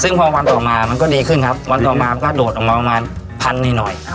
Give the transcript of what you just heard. ซึ่งพอวันต่อมามันก็ดีขึ้นครับวันต่อมามันก็โดดออกมาประมาณพันหน่อย